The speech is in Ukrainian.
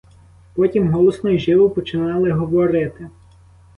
Потім голосно й живо починали говорити.